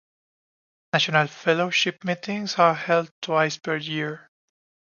National Fellowship meetings are held twice per year.